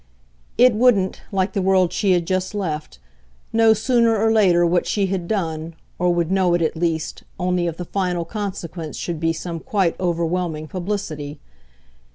It wouldn't, like the world she had just left, know sooner or later what she had done, or would know it, at least, only if the final consequence should be some quite overwhelming publicity.